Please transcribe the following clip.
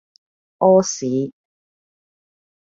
屙屎